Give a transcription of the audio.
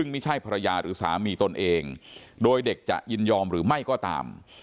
ไม่ใช่ภรรยาหรือสามีตนเองโดยเด็กจะยินยอมหรือไม่ก็ตาม